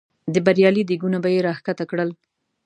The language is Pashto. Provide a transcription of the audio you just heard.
د بریاني دیګونه به یې را ښکته کړل.